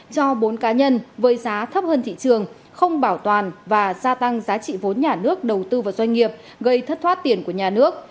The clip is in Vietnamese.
cho bốn cá nhân với giá thấp hơn thị trường không bảo toàn và gia tăng giá trị vốn nhà nước đầu tư vào doanh nghiệp gây thất thoát tiền của nhà nước